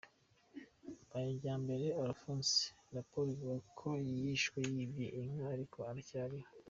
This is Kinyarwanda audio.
Majyambere Alphonse, raporo ivuga ko yishwe yibye inka ariko aracyariho